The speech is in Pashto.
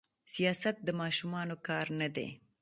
سياست د ماشومانو کار نه دي.